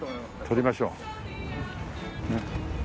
撮りましょう。